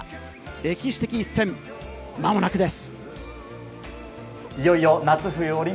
歴史的一戦、間もなくです。